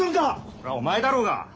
それはお前だろうが！